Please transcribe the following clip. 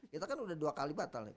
kita kan udah dua kali batal nih